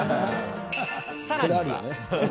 さらには。